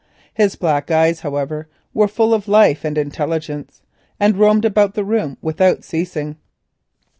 His black eyes, however, were full of life and intelligence, and roamed about the room without ceasing.